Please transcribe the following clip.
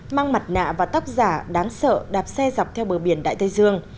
mang mặt nạ và tóc giả đáng sợ đạp xe dọc theo bờ biển đại tây dương